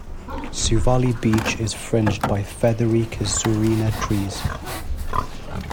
Suvali beach is fringed by feathery casurina trees.